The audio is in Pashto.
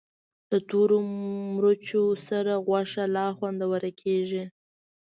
د تورو مرچو سره غوښه لا خوندوره کېږي.